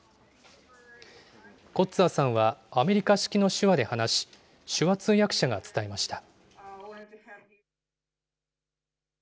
コッツァーさんは、アメリカ式の手話で話し、手話通訳者が伝えました。